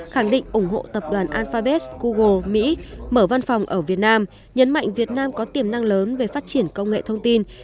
khẳng định ủng hộ tập đoàn alphabet google mỹ mở văn phòng ở việt nam nhấn mạnh việt nam có tiềm năng lớn về phát triển công nghệ thông tin